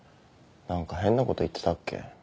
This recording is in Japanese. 何か変なこと言ってたっけ。